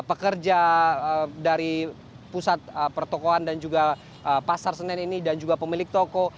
pekerja dari pusat pertokohan dan juga pasar senen ini dan juga pemilik toko